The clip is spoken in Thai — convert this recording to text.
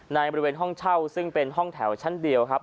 บริเวณห้องเช่าซึ่งเป็นห้องแถวชั้นเดียวครับ